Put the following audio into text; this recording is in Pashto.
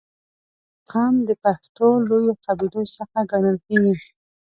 • دا قوم د پښتنو لویو قبیلو څخه ګڼل کېږي.